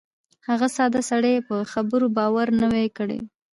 هغه ساده سړي یې په خبرو باور نه وای کړی.